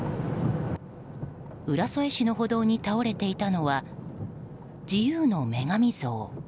浦添市の歩道に倒れていたのは自由の女神像。